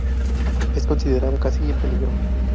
Es considerado casi en peligro.